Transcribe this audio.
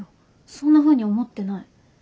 そんなふうに思ってない。